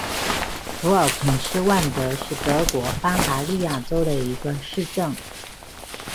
福尔肯施万德是德国巴伐利亚州的一个市镇。